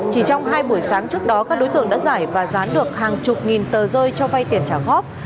chỉ trong hai buổi sáng trước đó các đối tượng đã giải và dán được hàng chục nghìn tờ rơi cho vay tiền trả góp